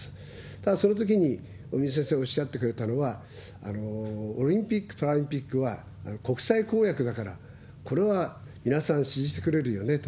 ただ、そのときに尾身先生おっしゃっておられたのは、オリンピック・パラリンピックは、国際公約だから、これは皆さん支持してくれるよねと。